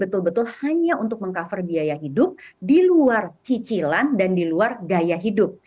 betul betul hanya untuk meng cover biaya hidup di luar cicilan dan di luar gaya hidup